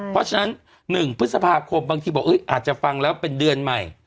เพราะฉะนั้น๑พฤษภาคมบางทีบอกอาจจะฟังแล้วเป็นเดือนใหม่